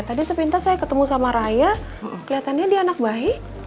tadi sepintas saya ketemu sama raya kelihatannya dia anak bayi